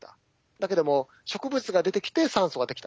だけども植物が出てきて酸素ができた。